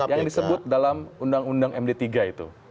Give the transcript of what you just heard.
yang disebut dalam undang undang md tiga itu